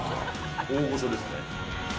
大御所ですね。